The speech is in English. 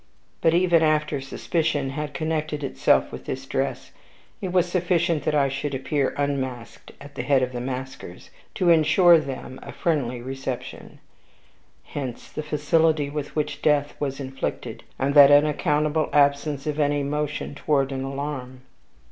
But, even after suspicion had connected itself with this dress, it was sufficient that I should appear unmasked at the head of the maskers, to insure them a friendly reception. Hence the facility with which death was inflicted, and that unaccountable absence of any motion toward an alarm.